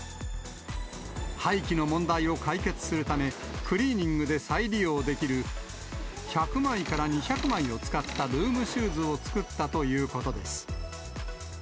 廃棄の問題を解決するため、クリーニングで再利用できる１００枚から２００枚を使ったルームシューズを作ったということです。